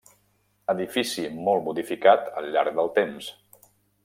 Edifici molt modificat al llarg del temps.